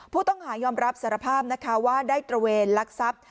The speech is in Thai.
ผู้ต้องหายอมรับสารภาพนะคะว่าได้ตระเวนลักทรัพย์